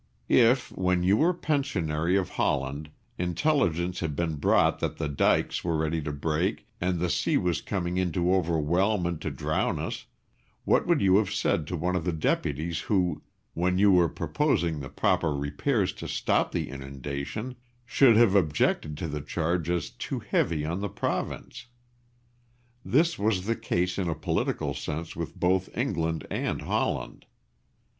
If, when you were Pensionary of Holland, intelligence had been brought that the dykes were ready to break and the sea was coming in to overwhelm and to drown us, what would you have said to one of the deputies who, when you were proposing the proper repairs to stop the inundation, should have objected to the charge as too heavy on the Province? This was the case in a political sense with both England and Holland.